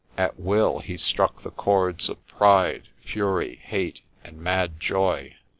At will he struck the chords of pride, fury, hate, and mad joy.